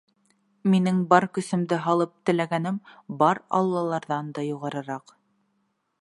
Минең бар көсөмдө һалып теләгәнем бар Аллаларҙан да юғарыраҡ.